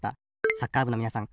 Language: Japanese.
サッカーぶのみなさん